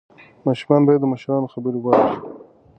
ماشومان باید د مشرانو خبرې واوري.